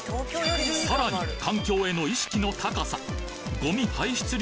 さらに環境への意識の高さ